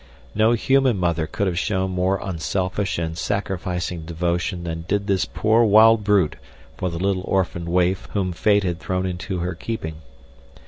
No human mother could have shown more unselfish and sacrificing devotion than did this poor, wild brute for the little orphaned waif whom fate had thrown into her keeping.